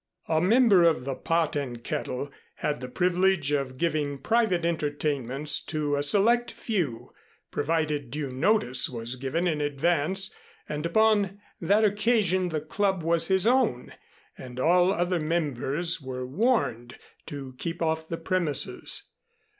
A member of the "Pot and Kettle" had the privilege of giving private entertainments to a select few, provided due notice was given in advance, and upon that occasion the Club was his own and all other members were warned to keep off the premises.